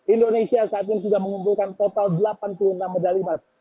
indonesia saat ini sudah mengumpulkan total delapan puluh enam medali emas